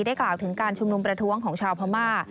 กล่าวถึงการชุมนุมประท้วงของชาวพม่า